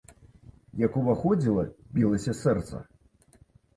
Як уваходзіла, білася сэрца.